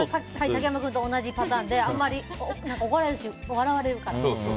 竹山君と同じパターンであんまり怒られるし笑われるからと思って。